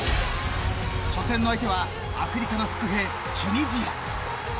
初戦の相手はアフリカの伏兵チュニジア。